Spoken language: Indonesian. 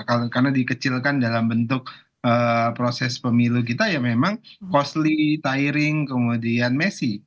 karena dikecilkan dalam bentuk proses pemilu kita ya memang costly tiring kemudian messy